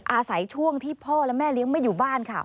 อาศัยช่วงที่พ่อและแม่เลี้ยงไม่อยู่บ้านค่ะ